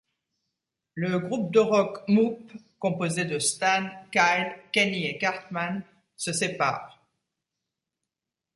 Le groupe de rock Moop, composé de Stan, Kyle, Kenny et Cartman, se sépare.